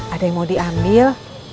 ada yang mau diambil